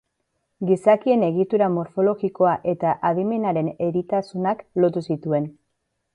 Gizakien egitura morfologikoa eta adimenaren eritasunak lotu zituen.